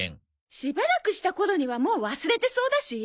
しばらくした頃にはもう忘れてそうだし。